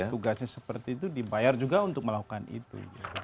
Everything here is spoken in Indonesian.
tugasnya seperti itu dibayar juga untuk melakukan itu